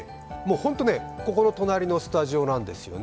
ホント、ここの隣のスタジオなんですよね。